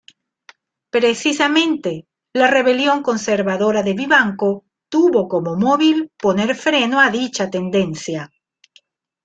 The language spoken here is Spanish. Precisamente, la rebelión conservadora de Vivanco tuvo como móvil poner freno a dicha tendencia.